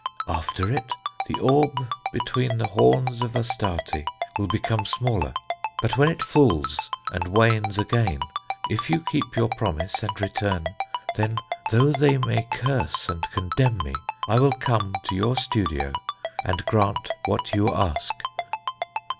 After it, the orb between the horns of Astarte will become smaller; but when it fulls and wanes again, if you keep your promise and return, then, though they may curse and condemn me, I will come to your studio and grant what you ask.